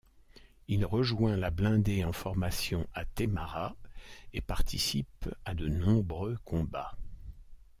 Il rejoint la blindée en formation à Témara et participe à de nombreux combats.